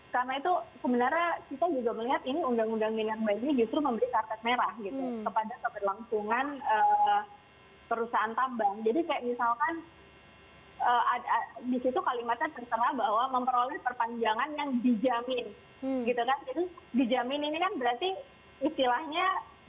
karena itu sebenarnya kita juga melihat ini undang undang minerba ini justru memberi kartet merah gitu